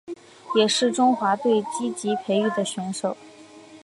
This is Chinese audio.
也是中华队积极培育的选手。